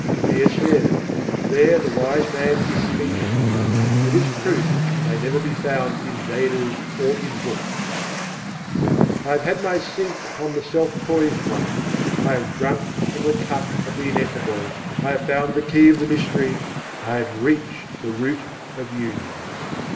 Kabîr says: "There the wise man is speechless; for this truth may never be found in Vadas or in books." I have had my Seat on the Self poised One, I have drunk of the Cup of the Ineffable, I have found the Key of the Mystery, I have reached the Root of Union.